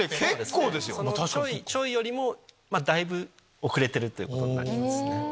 ちょいよりもだいぶ遅れてるということになりますね。